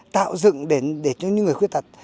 tạo dựng để cho những người khuyết tật